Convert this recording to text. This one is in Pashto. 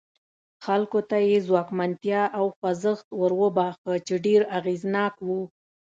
خلکو ته یې ځواکمنتیا او خوځښت وروباښه چې ډېر اغېزناک و.